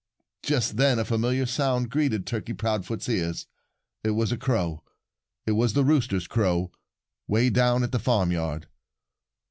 Just then a familiar sound greeted Turkey Proudfoot's ears. It was a crow. It was the rooster's crow, way down at the farmyard.